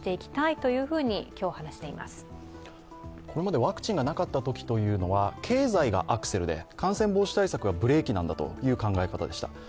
これまでワクチンがなかったときは、経済がアクセルで感染防止対策がブレーキなんだという考え方でした。